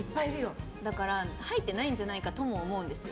だから入ってないんじゃないかとも思うんですよ。